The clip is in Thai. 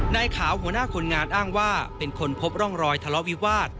นายขาวหัวหน้าคนงานอ้างว่าเป็นคนพบร่องรอยทะเลาะวิวาส